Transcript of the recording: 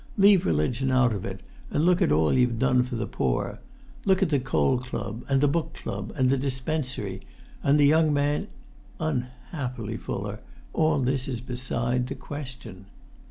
Leave religion out of it, and look at all you've done for the poor: look at the coal club, and the book club, and the dispensary, and the Young Man's——" "Unhappily, Fuller, all this is beside the question."